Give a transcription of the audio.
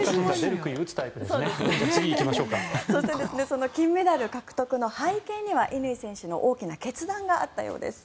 その金メダル獲得の背景には乾選手の大きな決断があったようです